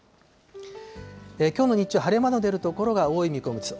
きょうの日中、晴れ間の出る所が多い見込みです。